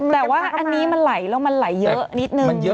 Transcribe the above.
แต่ว่าอันนี้มันไหลแล้วมันไหลเยอะนิดนึง